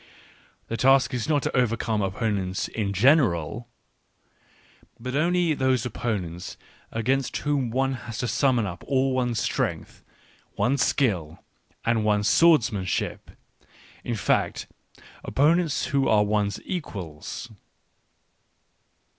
The task is not to overcome opponents in general, but only those opponents against whom one has to summon all one's strength, one's skill, and one's swordsmanship — in fact, opponents who are one's equals.